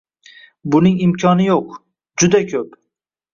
Buning imkoni yoʻq, juda koʻp.